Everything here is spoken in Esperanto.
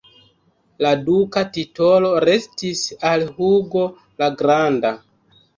La duka titolo restis al Hugo la Granda.